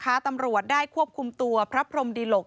ทหารนะคะตำรวจได้ควบคุมตัวพระพลมดิหลก